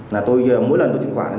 là tôi mỗi lần tôi truyền khoản